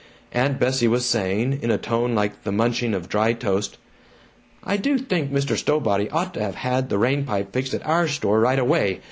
Aunt Bessie was saying, in a tone like the munching of dry toast: "I do think Mr. Stowbody ought to have had the rain pipe fixed at our store right away.